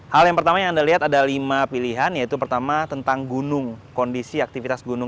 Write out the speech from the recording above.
hal yang pertama yang anda lihat ada lima pilihan yaitu pertama tentang gunung kondisi aktivitas gunung